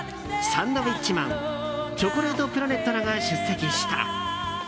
サンドウィッチマンチョコレートプラネットらが出席した。